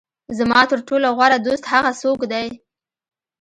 زما تر ټولو غوره دوست هغه څوک دی.